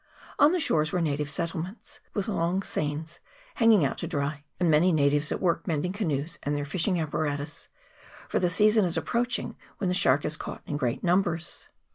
On the shores were native settlements, with long seines hanging out to dry, and many natives at work mending canoes and their fishing apparatus, for the season is approach ing when the shark is caught in great numbers.